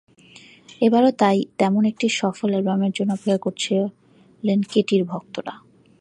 এবারও তাই তেমন একটি সফল অ্যালবামের জন্য অপেক্ষা করছিলেন কেটির ভক্তরা।